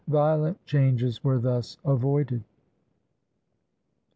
Violent changes were thus avoided.